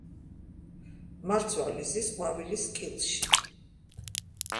მარცვალი ზის ყვავილის კილში.